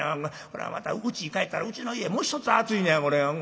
これまたうちに帰ったらうちの家もう一つ暑いねやこれ。